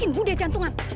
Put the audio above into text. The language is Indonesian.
tunggu sebentar soe